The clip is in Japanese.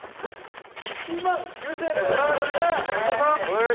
１万９０００円でございます。